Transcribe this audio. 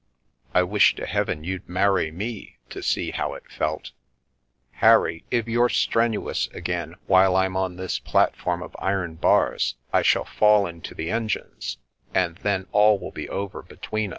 " I wish to Heaven you'd marry me to see how it felt" " Harry, if you're strenuous again while I'm on this platform of iron bars, I shall fall into the engines, and then all will be over between us."